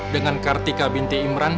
dengan kartika binti imran